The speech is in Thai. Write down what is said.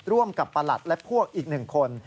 ร่วมกับประหลัดและพวกอีก๑คน